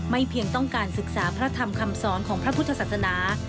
เพียงต้องการศึกษาพระธรรมคำสอนของพระพุทธศาสนา